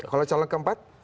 kalau calon keempat